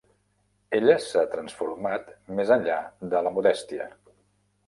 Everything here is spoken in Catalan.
Ella s'ha transformat més enllà de la modèstia.